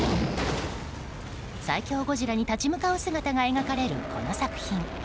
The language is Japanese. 最恐ゴジラに立ち向かう姿が描かれるこの作品。